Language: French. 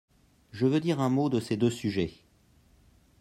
Je veux dire un mot de ces deux sujets.